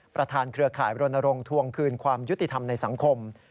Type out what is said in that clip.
เครือข่ายรณรงควงคืนความยุติธรรมในสังคม